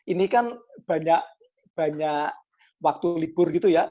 ini kan banyak waktu libur gitu ya